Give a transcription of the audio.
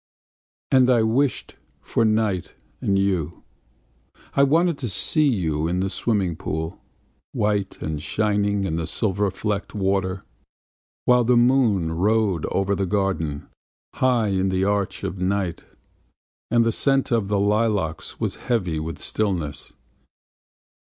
And I wished for night and you. I wanted to see you in the swimming pool, White and shining in the silver flecked water. While the moon rode over the garden, High in the arch of night, And the scent of the lilacs was heavy with stillness.